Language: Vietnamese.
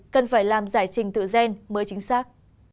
cần phải làm giải trình tự gen mới chính xác